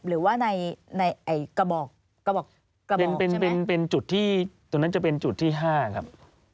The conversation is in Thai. หรือว่าในกระบอกเป็นจุดที่ตรงนั้นจะเป็นจุดที่๕ครับ